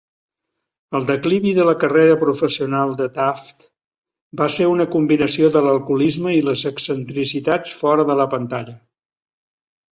El declivi de la carrera professional de Tuft va ser una combinació de l'alcoholisme i les excentricitats fora de la pantalla.